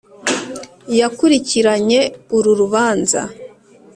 Yakurikiranye uru rubanza